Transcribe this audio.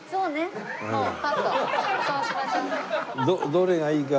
どれがいいか。